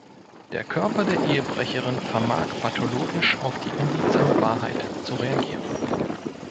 Der Körper der Ehebrecherin vermag pathologisch auf die unliebsame Wahrheit zu reagieren.